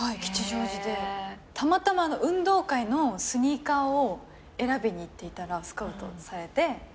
たまたま運動会のスニーカーを選びに行っていたらスカウトされて。